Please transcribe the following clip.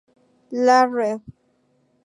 La Rev.